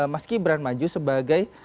mas gibran maju sebagai